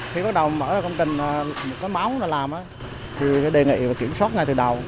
khi bắt đầu mở ra công trình có máu nó làm thì đề nghị kiểm soát ngay từ đầu